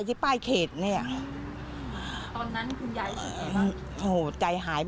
คุณป้าคิดแบบนั้นนะครับ